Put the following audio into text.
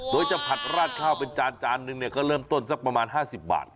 โดยจะผัดราดข้าวเป็นจานจานนึงเนี่ยก็เริ่มต้นสักประมาณ๕๐บาท